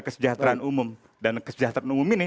kesejahteraan umum dan kesejahteraan umum ini